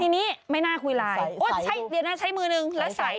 ทีนี้ไม่น่าคุยไลน์โอ้ยเดี๋ยวน่าใช้มือหนึ่งแล้วใส่